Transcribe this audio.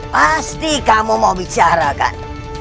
pasti kamu mau bicara kan